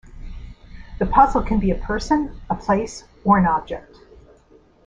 The puzzle can be a person, a place or an object.